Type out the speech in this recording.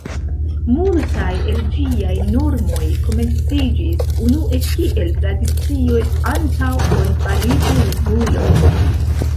Multaj el ĝiaj normoj komenciĝis unue kiel tradicioj antaŭ ol fariĝi reguloj.